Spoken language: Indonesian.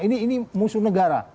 ini musuh negara